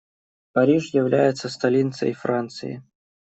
Париж является столицей Франции.